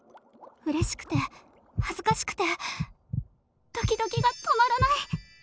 うれしくて恥ずかしくてドキドキが止まらない。